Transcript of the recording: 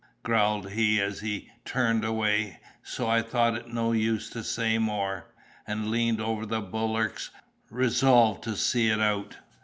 growled he, as he turned away; so I thought it no use to say more, and leaned over the bulwarks, resolved to see it out.